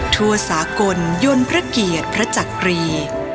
ทั่วสากลยนต์พระเกียรติพระจักรี